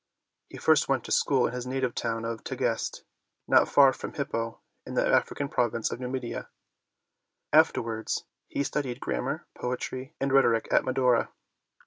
He first went to school in his native town of Tagaste, not far from Hippo in the African province of Numidia: afterwards he studied grammar, poetry, and rhetoric at Madaura.